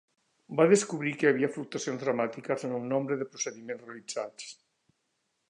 Va descobrir que hi havia fluctuacions dramàtiques en el nombre de procediments realitzats.